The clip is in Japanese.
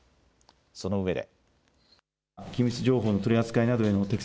そのうえで。